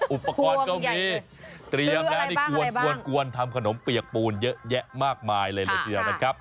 อุปกรณ์ก็มีเตรียมแล้วนี่กวนทำขนมเปียกปูนเยอะแยะมากมายเลยเลยทีเดียวนะครับ